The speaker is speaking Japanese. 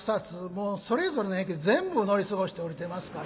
もうそれぞれの駅全部乗り過ごして降りてますからね。